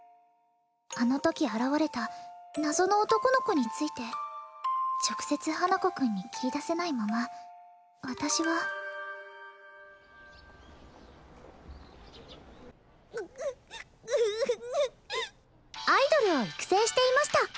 あの時現れた謎の男の子について直接花子くんに切り出せないまま私はうっうっううっアイドルを育成していました！